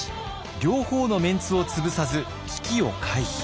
両方のメンツを潰さず危機を回避。